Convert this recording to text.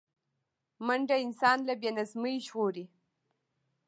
منډه انسان له بې نظمۍ ژغوري